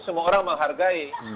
semua orang menghargai